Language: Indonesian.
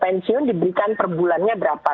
pensiun diberikan perbulannya berapa